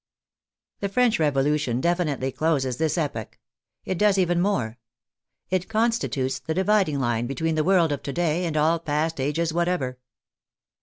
The French Revolution definitely closes this epoch. It does even more. It constitutes the dividing line be^ tween the world of to day and all past ages whatever.